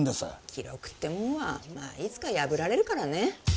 記録ってもんはまあいつか破られるからね。